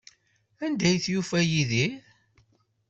Anda ay tufa Yidir?